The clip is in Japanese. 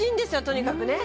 とにかくね